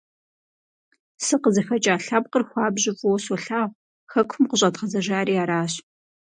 СыкъызыхэкӀа лъэпкъыр хуабжьу фӀыуэ солъагъу, хэкум къыщӀэдгъэзэжари аращ.